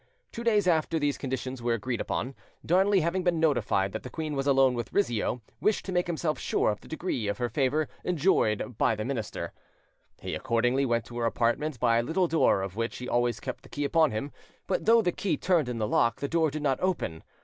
Two days after these conditions were agreed upon, Darnley having been notified that the queen was alone with Rizzio, wished to make himself sure of the degree of her favour enjoyed by the minister. He accordingly went to her apartment by a little door of which he always kept the key upon him; but though the key turned in the lock, the door did not open.